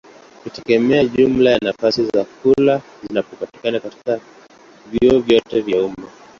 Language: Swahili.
hutegemea jumla ya nafasi za kulala zinazopatikana katika vyuo vyote vya umma.